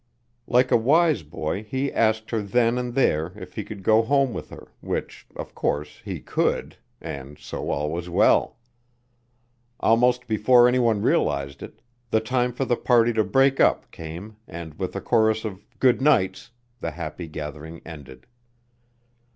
Like a wise boy he asked her then and there if he could go home with her, which, of course, he could, and so all was well. Almost before any one realized it, the time for the party to break up came, and with a chorus of "good nights" the happy gathering ended.